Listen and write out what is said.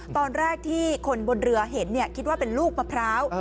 ตอนแรกที่คนบนเรือเห็นคิดว่าเป็นลูกมะพร้าว